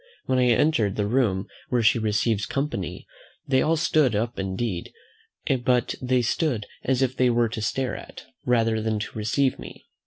When I entered the room where she receives company, they all stood up indeed; but they stood as if they were to stare at, rather than to receive me.